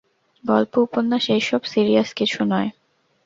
গল্প উপন্যাস এইসব, সিরিয়াস কিছু নয়।